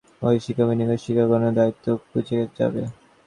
ঐ শিক্ষার বিনিময়ে শিক্ষকগণেরও দারিদ্র্য ঘুচে যাবে।